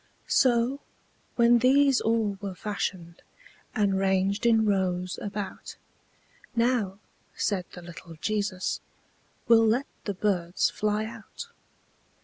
So, when these all were fashioned, And ranged in rows about, "Now," said the little Jesus, "We'll let the birds fly out."